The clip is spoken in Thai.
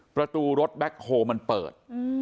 ประตูรถแบ็คโฮลมันเปิด